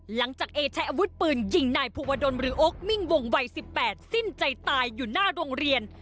หลังจากเอใช้อาวุธปืนยิงนายภูวดลหรือโอ๊คมิ่งวงวัย๑๘สิ้นใจตายอยู่หน้าโรงเรียน